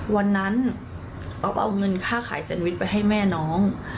วันนั้นอ๊อฟเอาเงินค่าขายเซนวิชไปให้แม่น้อง